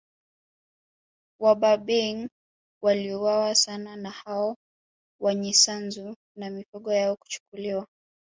Wabarbaig waliuawa sana na hao Wanyisanzu na mifugo yao kuchukuliwa